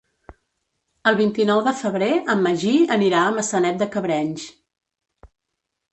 El vint-i-nou de febrer en Magí anirà a Maçanet de Cabrenys.